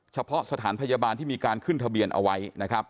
เฉพาะสถานพยาบาลที่มีการขึ้นทะเบียนเอาไว้นะครับ